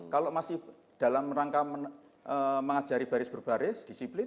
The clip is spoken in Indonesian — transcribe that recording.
kalau masih dalam rangka mengajari baris berbaris disiplin